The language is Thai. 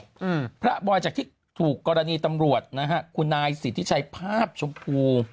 อืมพระบอยจากที่ถูกกรณีตำรวจนะฮะคุณนายสิทธิชัยภาพชมพู